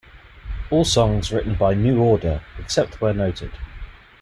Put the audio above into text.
All songs written by New Order, except where noted.